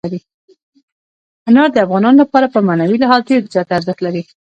انار د افغانانو لپاره په معنوي لحاظ ډېر زیات ارزښت لري.